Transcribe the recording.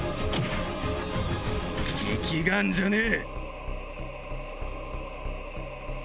粋がんじゃねえ！